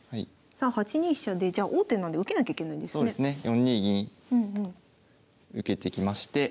４二銀受けてきまして